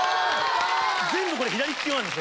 全部これ左利き用なんです。